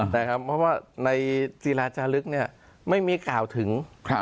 เพราะว่าในศิราจารึกไม่มีกล่าวถึง